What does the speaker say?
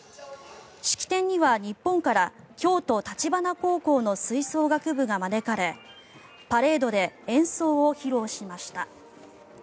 式典には、日本から京都橘高校の吹奏楽部が招かれパレードで演奏を披露しました。